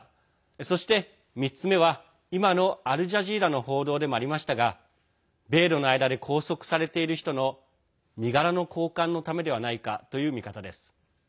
そして３つ目は今のアルジャジーラの報道でもありましたが米ロの間で拘束されている人の身柄の交換のためではないかという見方です。